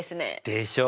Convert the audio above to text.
でしょ？